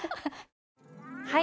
はい。